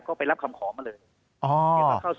ก็ไปรับคำขอมาเลย